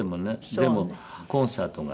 でもコンサートが。